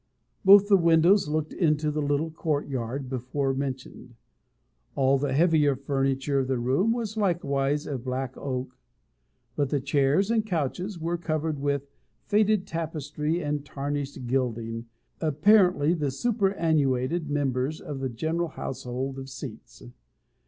Both the windows looked into the little court or yard before mentioned. All the heavier furniture of the room was likewise of black oak, but the chairs and couches were covered with faded tapestry and tarnished gilding, apparently the superannuated members of the general household of seats.